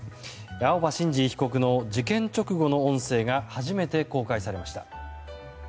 青葉真司被告の事件直後の音声が初めて公開されました。